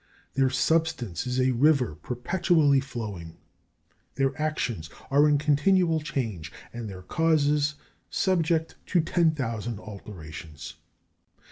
Their substance is as a river perpetually flowing; their actions are in continual change, and their causes subject to ten thousand alterations.